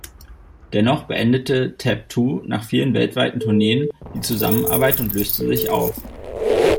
Dennoch beendete "Tab Two" nach vielen weltweiten Tourneen die Zusammenarbeit und löste sich auf.